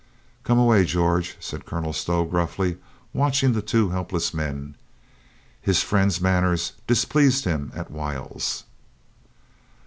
"Come away, George," said Colonel Stow gruffly, watching the two helpless men. His friend's man ners displeased him at whiles.